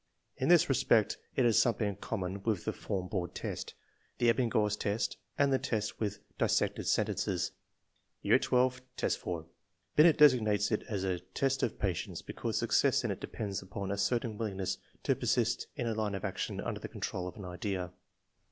In this respect it has something in common with the form board test, the Ebbinghaus test, and the test with dis sected sentences (XII, 4). Binet designates it a " test of patience,' 5 because success in it depends upon a certain willingness to persist in a line of action under the control of an idea.